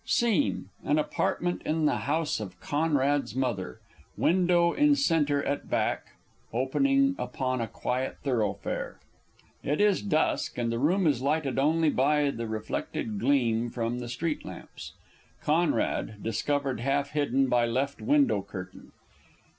_ SCENE An Apartment in the house of CONRAD'S _Mother, window in centre at back, opening upon a quiet thoroughfare. It is dusk, and the room is lighted only by the reflected gleam from the street lamps._ CONRAD _discovered half hidden by left window curtain.